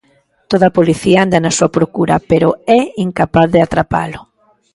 Toda a policía anda na súa procura pero é incapaz de atrapalo.